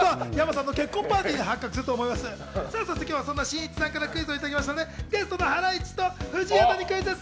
そして今日はそんな、しんいちさんからクイズをいただきましたので、ゲストのハライチさんと藤井アナにクイズッス！